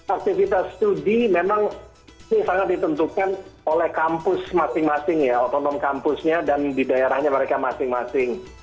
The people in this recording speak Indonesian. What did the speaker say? aktivitas studi memang ini sangat ditentukan oleh kampus masing masing ya otonom kampusnya dan di daerahnya mereka masing masing